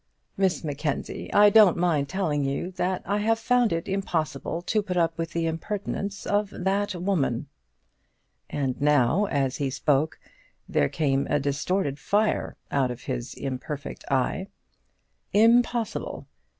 "Miss Mackenzie, I don't mind telling you that I have found it impossible to put up with the impertinence of that woman" and now, as he spoke, there came a distorted fire out of his imperfect eye "impossible!